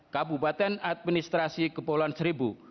kabupaten administrasi kepulauan seribu